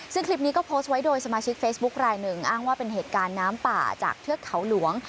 ซึ่งคลิปนี้ก็โพสต์ไว้โดยสมาชิกเฟซบุ๊คลายหนึ่งอ้างว่าเป็นเหตุการณ์น้ำป่าจากเทือกเขาหลวง